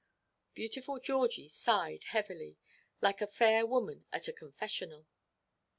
Beautiful Georgie sighed heavily, like a fair woman at a confessional.